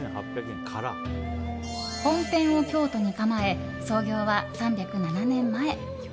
本店を京都に構え創業は３０７年前。